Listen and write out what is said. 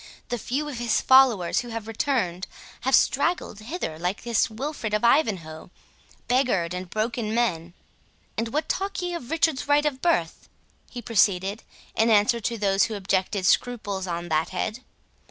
The few of his followers who have returned have straggled hither like this Wilfred of Ivanhoe, beggared and broken men.—And what talk ye of Richard's right of birth?" he proceeded, in answer to those who objected scruples on that head.